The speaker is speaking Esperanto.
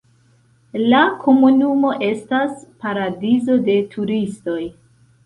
La komunumo estas paradizo de turistoj.